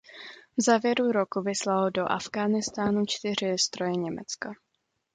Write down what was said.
V závěru roku vyslalo do Afghánistánu čtyři stroje Německo.